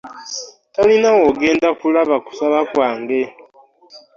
Tolina w'ogenda kulaba kusaba kwange.